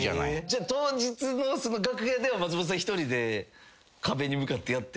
じゃあ当日の楽屋では松本さん１人で壁に向かって？